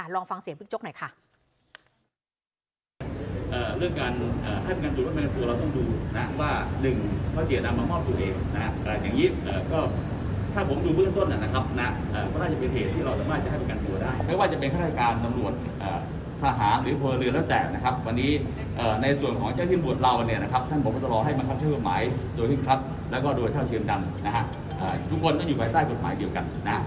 ลองฟังเสียงบิ๊กโจ๊กหน่อยค่ะ